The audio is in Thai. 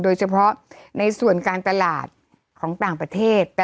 โดยเฉพาะในส่วนการตลาดของต่างประเทศ